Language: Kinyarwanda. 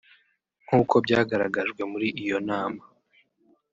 nk’uko byagaragajwe muri iyo nama